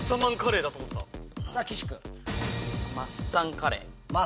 さぁ岸君。